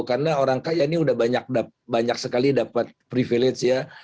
karena orang kaya ini sudah banyak sekali dapat privilege ya